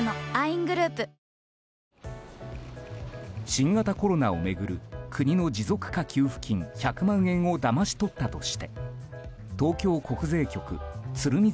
新型コロナを巡る国の持続化給付金１００万円をだまし取ったとして東京国税局鶴見